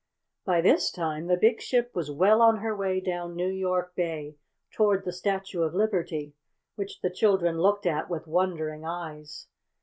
By this time the big ship was well on her way down New York Bay toward the Statue of Liberty, which the children looked at with wondering eyes.